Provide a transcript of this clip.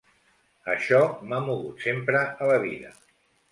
Això m'ha mogut sempre a la vida.